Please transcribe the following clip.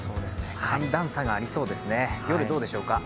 寒暖差がありそうですね、夜、どうでしょうか。